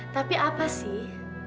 tapi apa sih